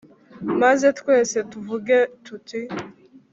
maze twese tuvuge tuti